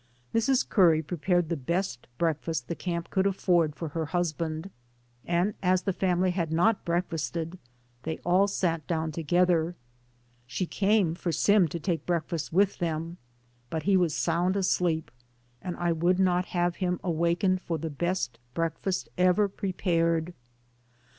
Mrs. Curry prepared the best breakfast the camp could afford for her husband, and as the family had not breakfasted, they all sat down together. She came for Sim to take breakfast with them, but he was sound asleep, and I would not have had him awak ened for the best breakfast ever prepared.